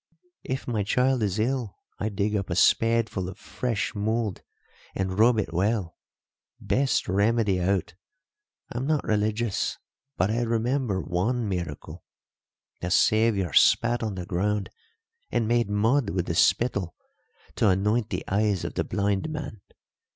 If my child is ill I dig up a spadeful of fresh mould and rub it well best remedy out. I'm not religious, but I remember one miracle. The Saviour spat on the ground and made mud with the spittle to anoint the eyes of the blind man.